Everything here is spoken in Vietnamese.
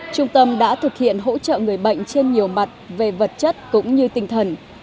trung tâm đã thực hiện hỗ trợ người bệnh trên nhiều mặt về vật chất cũng như tinh thần